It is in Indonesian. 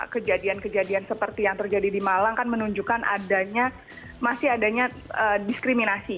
kejadian kejadian seperti yang terjadi di malang kan menunjukkan adanya masih adanya diskriminasi